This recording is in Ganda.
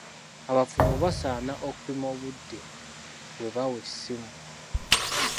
Abafumbo basaana okupima obudde bwe bawa essimu.